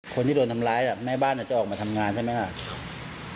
คนที่โดนทำร้ายแม่บ้านอาจจะออกมาทำงานใช่ไหมล่ะ